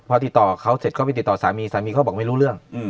พอติดต่อเขาเสร็จก็ไปติดต่อสามีสามีเขาบอกไม่รู้เรื่อง